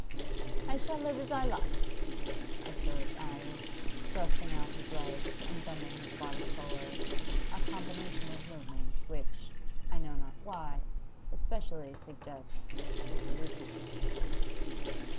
'I shall live as I like,' observed 'Arry, thrusting out his legs and bending his body forward, a combination of movements which, I know not why, especially suggests dissoluteness.